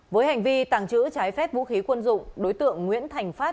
với hành vi tàng trữ trái phép vũ khí quân dụng đối tượng nguyễn thành phát